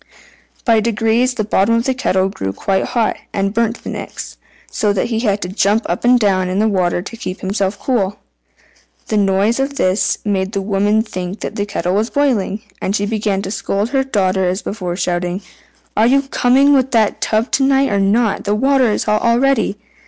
By degrees the bottom of the kettle grew quite hot, and burnt the Nix, so that he had to jump up and down in the water to keep himself cool. The noise of this made the woman think that the kettle was boiling, and she began to scold her daughter as before, shouting, "Are you coming with that tub to night or not? The water is hot already."